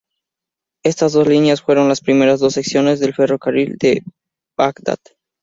Estas dos líneas fueron las primeras dos secciones del ferrocarril de Bagdad.